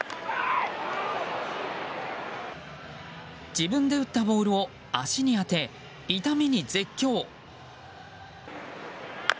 自分で打ったボールを足に当て痛みに絶叫。